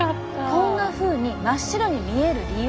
こんなふうに真っ白に見える理由。